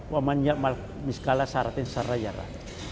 waman yakmal miskala saraten sarayara